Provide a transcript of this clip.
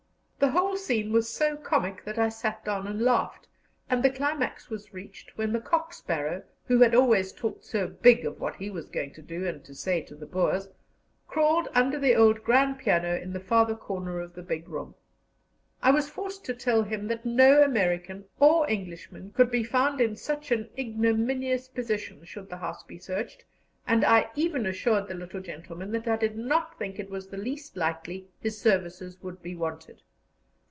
The whole scene was so comic that I sat down and laughed, and the climax was reached when the cock sparrow, who had always talked so big of what he was going to do and to say to the Boers, crawled under the old grand piano in the farther corner of the big room. I was forced to tell him that no American or Englishman could be found in such an ignominious position, should the house be searched, and I even assured the little gentleman that I did not think it was the least likely his services would be wanted.